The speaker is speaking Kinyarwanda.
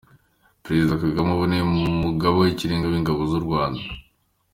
Perezida Kagame ubu niwe mugaba w’Ikirenga w’ingabo z’u Rwanda.